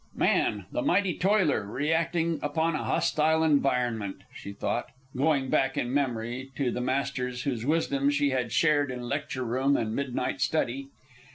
Man, the mighty toiler, reacting upon a hostile environment, she thought, going back in memory to the masters whose wisdom she had shared in lecture room and midnight study.